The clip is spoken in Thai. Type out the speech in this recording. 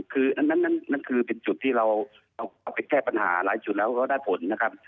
คืออันนั้นนั่นคือเป็นจุดที่เราเอาไปแก้ปัญหาหลายจุดแล้วก็ได้ผลนะครับ